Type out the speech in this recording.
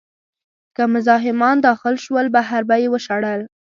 که مزاحمان داخل شول، بهر به یې وشړل.